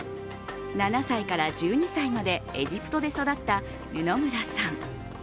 ７歳から１２歳までエジプトで育った布村さん。